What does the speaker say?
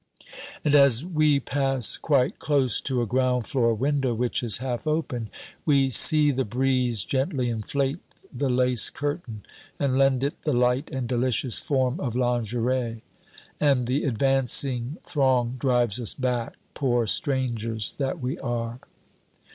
And as we pass quite close to a ground floor window which is half open, we see the breeze gently inflate the lace curtain and lend it the light and delicious form of lingerie and the advancing throng drives us back, poor strangers that we are!